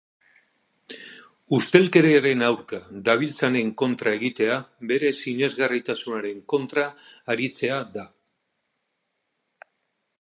Ustelkeriaren aurka dabiltzanen kontra egitea bere sinesgarritasunaren kontra aritzea da.